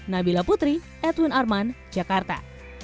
nabila putri edwin arman jakarta